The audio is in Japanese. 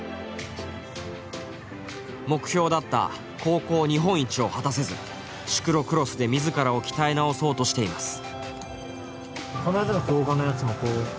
目標だった高校日本一を果たせずシクロクロスで自らを鍛え直そうとしています。